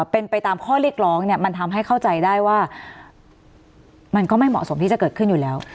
เป็นไปตามข้อเรียกร้องเนี่ยมันทำให้เข้าใจได้ว่ามันก็ไม่เหมาะสมที่จะเกิดขึ้นอยู่แล้ว